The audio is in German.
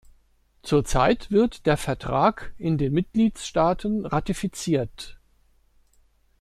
Zurzeit wird der Vertrag in den Mitgliedstaaten ratifiziert.